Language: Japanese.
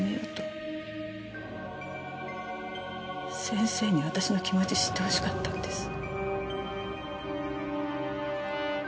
先生に私の気持ち知ってほしかったんです。